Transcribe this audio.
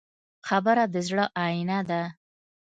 خبره د زړه آیینه ده.